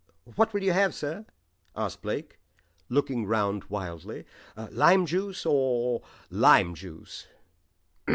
"What will you have, sir?" asked Blake, looking round wildly. "Lime juice or or lime juice?"